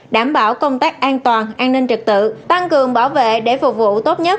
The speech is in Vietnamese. đảm bảo công tác an toàn an ninh trực tự tăng cường bảo vệ để phục vụ tốt nhất